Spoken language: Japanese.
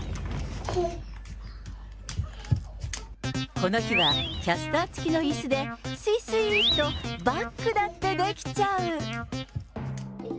この日はキャスター付きのいすで、すいすいーっと、バックだってできちゃう。